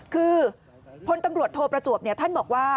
คือสมมติโทรประจวบเขาบอกว่า